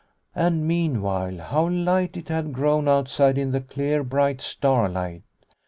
And, meanwhile, how light it had grown outside in the clear, bright starlight.